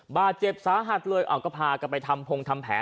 บาดเจ็บสาหัสเลยเอาก็พากันไปทำพงทำแผล